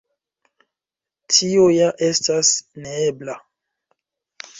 Tio ja estas neebla.